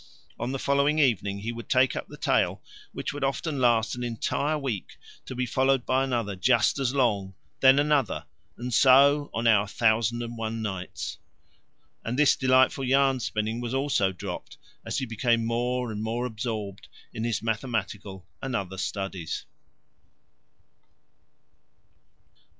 On the following evening he would take up the tale, which would often last an entire week, to be followed by another just as long, then another, and so on our thousand and one nights. And this delightful yarn spinning was also dropped as he became more and more absorbed in his mathematical and other studies.